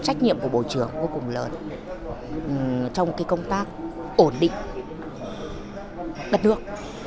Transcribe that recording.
trách nhiệm của bộ trưởng vô cùng lớn trong công tác ổn định đất nước